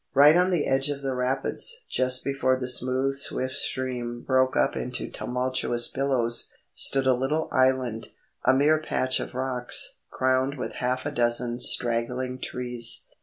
Right on the edge of the rapids, just before the smooth swift stream broke up into tumultuous billows, stood a little island—a mere patch of rocks, crowned with half a dozen straggling trees.